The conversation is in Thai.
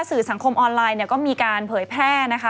สื่อสังคมออนไลน์เนี่ยก็มีการเผยแพร่นะคะ